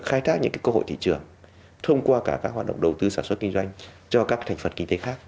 khai thác những cơ hội thị trường thông qua cả các hoạt động đầu tư sản xuất kinh doanh cho các thành phần kinh tế khác